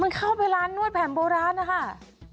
มันเข้าไปร้านนวดแผนโบราณนะคะ